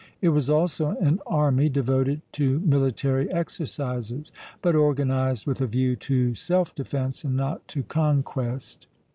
It was also an army devoted to military exercises, but organized with a view to self defence and not to conquest.